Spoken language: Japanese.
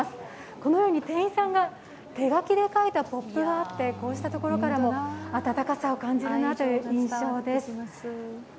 このように店員さんが手書きで書いたポップがあってこうしたところからも温かさを感じるなという印象です。